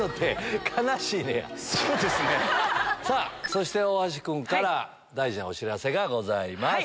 そして大橋君から大事なお知らせがございます。